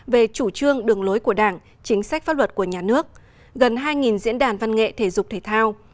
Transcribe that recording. về chủ trương đường lối của đảng chính sách pháp luật của nhà nước gần hai diễn đàn văn nghệ thể dục thể thao